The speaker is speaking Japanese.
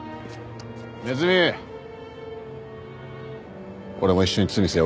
ネズミ俺も一緒に罪背負うよ。